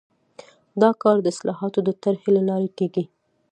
دا کار د اصلاحاتو د طرحې له لارې کیږي.